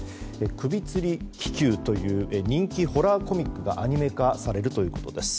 首吊り気球という人気ホラーコミックがアニメ化されるということです。